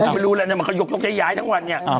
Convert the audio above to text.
ไม่รู้เลยมันยกย้ายทั้งวันเนี่ย